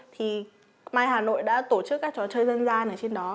thì mai hà nội đã tổ chức các trò chơi dân gian ở trên đó